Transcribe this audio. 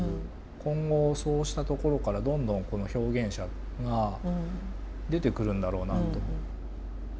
今後そうしたところからどんどん表現者が出てくるんだろうなと。